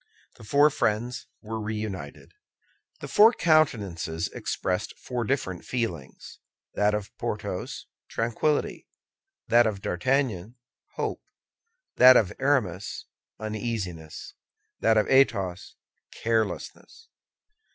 The four friends were reunited. The four countenances expressed four different feelings: that of Porthos, tranquillity; that of D'Artagnan, hope; that of Aramis, uneasiness; that of Athos, carelessness.